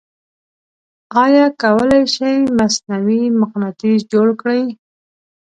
آیا کولی شئ مصنوعې مقناطیس جوړ کړئ؟